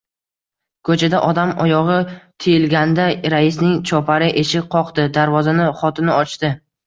Ko‘chada odam oyog‘i tiyilganda raisning chopari eshik qoqdi. Darvozani xotini ochdi…